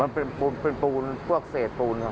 มันเป็นปูนเป็นปูนพวกเศษปูนครับ